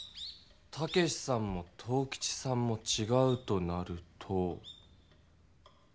武さんも藤吉さんもちがうとなると。